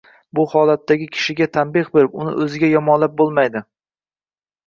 Bu holatdagi kishiga tanbeh berib, uni o‘ziga yomonlab bo‘lmaydi.